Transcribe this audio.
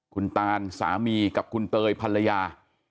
คุณตานสามีกับคุณเตยภรรยา